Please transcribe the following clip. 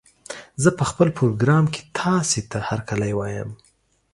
زه په خپل پروګرام کې تاسې ته هرکلی وايم